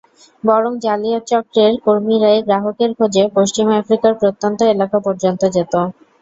বরং জালিয়াত চক্রের কর্মীরাই গ্রাহকের খোঁজে পশ্চিম আফ্রিকার প্রত্যন্ত এলাকা পর্যন্ত যেত।